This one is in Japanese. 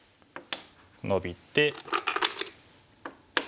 ノビて。